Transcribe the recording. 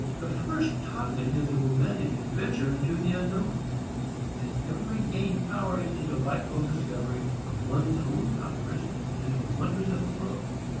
The first toddling is a romantic adventuring into the unknown; and every gained power is a delightful discovery of one's own powers and of the wonders of the world.